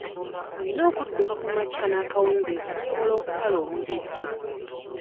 Oyina okudduka kumakya n'ekawungezi okusobola okusala omugejjo.